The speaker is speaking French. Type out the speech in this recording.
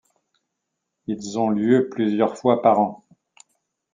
Ils ont lieu plusieurs fois par an.